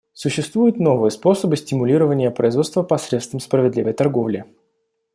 Существуют новые способы стимулирования производства посредством справедливой торговли.